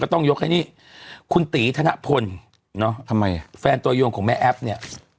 ต้องยกให้นี่คุณตีธนพลเนอะทำไมอ่ะแฟนตัวยงของแม่แอฟเนี่ย